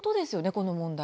この問題は。